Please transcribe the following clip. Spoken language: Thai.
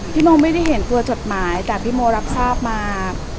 พี่โมไม่ได้เห็นตัวจดหมายแต่พี่โมรับทราบมา